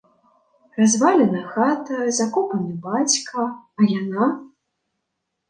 Развалена хата, закопаны бацька, а яна?